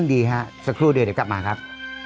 ดีเด็ดกลับมาครับ